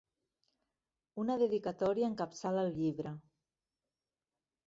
Una dedicatòria encapçala el llibre.